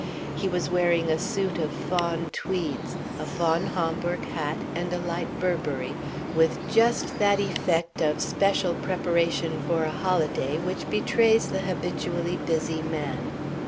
He was wearing a suit of fawn tweeds, a fawn Homburg hat and a light Burberry, with just that effect of special preparation for a holiday which betrays the habitually busy man.